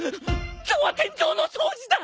今日は天井の掃除だ！